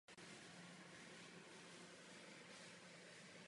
Startovala tu dokonce ve čtyřech individuálních disciplínách.